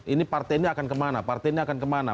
ini partai ini akan kemana